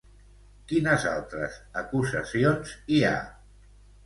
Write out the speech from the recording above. Quines altres acusacions hi ha?